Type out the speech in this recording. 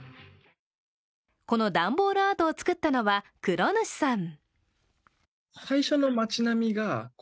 この段ボールアートを作ったのは黒主さん。